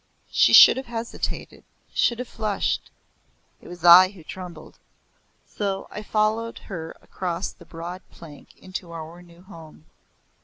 She should have hesitated, should have flushed it was I who trembled. So I followed her across the broad plank into our new home.